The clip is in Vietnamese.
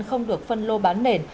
không được phân lô bán nền